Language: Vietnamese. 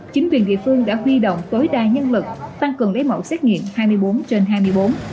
chính quyền địa phương đã huy động tối đa nhân lực tăng cường lấy mẫu xét nghiệm hai mươi bốn trên hai mươi bốn